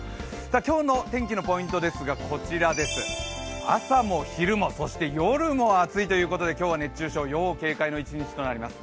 今日の天気のポイントは朝も昼も夜も暑いということで今日は熱中症要警戒の一日となります。